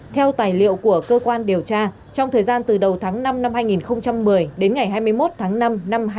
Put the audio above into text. theo tài liệu của cơ quan điều tra trong thời gian từ đầu tháng năm năm hai nghìn một mươi đến ngày hai mươi một tháng năm năm hai nghìn một mươi tám